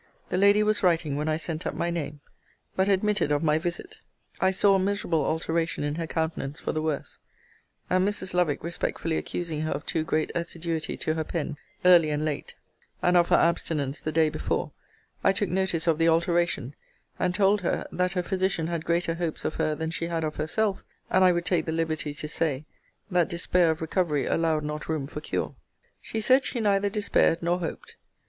The lady was writing when I sent up my name; but admitted of my visit. I saw a miserable alteration in her countenance for the worse; and Mrs. Lovick respectfully accusing her of too great assiduity to her pen, early and late, and of her abstinence the day before, I took notice of the alteration; and told her, that her physician had greater hopes of her than she had of herself; and I would take the liberty to say, that despair of recovery allowed not room for cure. She said she neither despaired nor hoped.